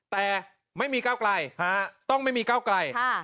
แต่ไม่มีก้าวไกลต้องไม่มีก้าวไกล